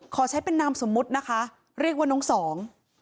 ขอใช้เป็นนามสมมุตินะคะเรียกว่าน้องสอง